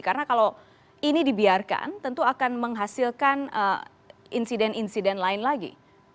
karena kalau ini dibiarkan tentu akan menghasilkan insiden insiden lain lagi